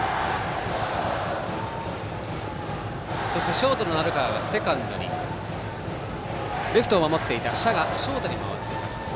ショートの鳴川がセカンドにレフトを守っていた謝がショートを守っています。